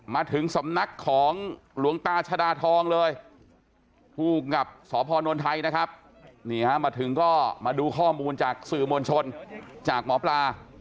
มาถึงก็มาดูข้อมูลจากสื่อมวลชนจากหมอปลา